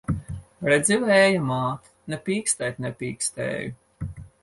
Redzi, Vēja māt! Ne pīkstēt nepīkstēju!